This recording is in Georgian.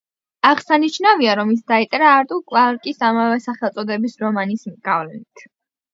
აღსანიშნავია, რომ ის დაიწერა არტურ კლარკის ამავე სახელწოდების რომანის გავლენით.